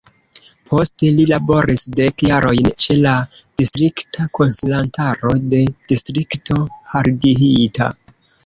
Poste li laboris dek jarojn ĉe la distrikta konsilantaro de Distrikto Harghita.